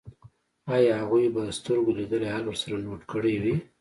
ایا هغوی به سترګو لیدلی حال ورسره نوټ کړی وي